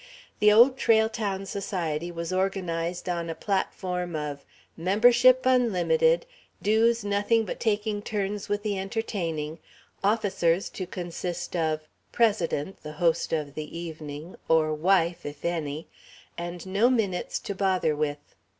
The Old Trail Town Society was organized on a platform of "membership unlimited, dues nothing but taking turns with the entertaining, officers to consist of: President, the host of the evening (or wife, if any), and no minutes to bother with."